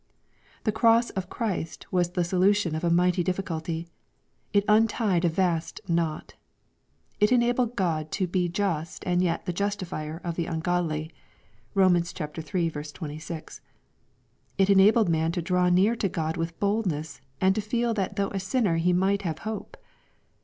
The cross of Christ was the solution of a mighty difficulty. It untied a vast knot. It enabled God to be just, and yet the justifier" of the ungodly. (Bom. iii. 26.) It enabled man to draw near to God with boldness, and to feel that though a sinner he might have hope.